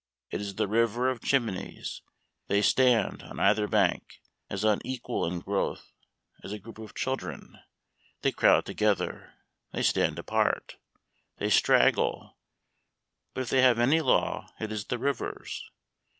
It is the river of chimneys; they stand, on either bank, as unequal in growth as a group of children; they crowd together, they stand apart, they straggle, but if they have any law, it is the river's.